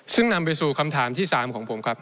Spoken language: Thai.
ซึ่งนำไปสู่คำถามที่๓ของผมครับ